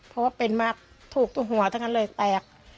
เพราะว่าเป็นมัดถูกตรงหัวทั้งนั้นเลยแตก